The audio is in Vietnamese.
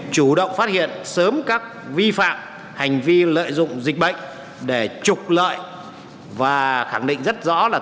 chủ động phát hiện sớm các vi phạm hành vi lợi dụng dịch bệnh để trục lợi và khẳng định rất rõ là